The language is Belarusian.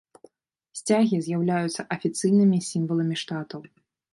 Сцягі з'яўляюцца афіцыйнымі сімваламі штатаў.